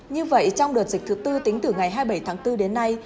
như vậy trong đợt dịch thứ tư tính từ ngày hai mươi bảy tháng bốn đến nay